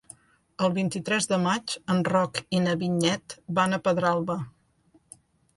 El vint-i-tres de maig en Roc i na Vinyet van a Pedralba.